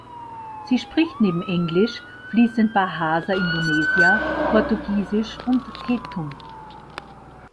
Sie spricht neben Englisch fließend Bahasa Indonesia, Portugiesisch und Tetum.